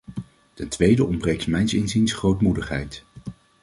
Ten tweede ontbreekt mijns inziens grootmoedigheid.